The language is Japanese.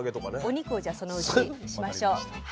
お肉をじゃあそのうちしましょう。